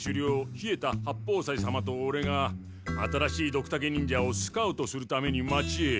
稗田八方斎様とオレが新しいドクタケ忍者をスカウトするために町へ。